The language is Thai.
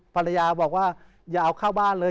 ภรรยาบอกว่าอย่าเอาเข้าบ้านเลย